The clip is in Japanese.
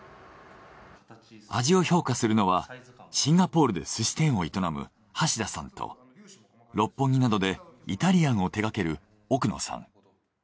味を評価するのはシンガポールですし店を営む橋田さんと六本木などでイタリアンを手がける奥野さん。